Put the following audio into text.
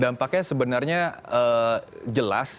dampaknya sebenarnya jelas